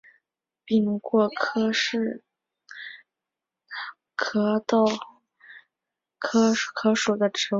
柄果柯是壳斗科柯属的植物。